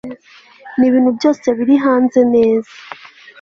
ni ibintu byose biri hanze neza